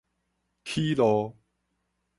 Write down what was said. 起路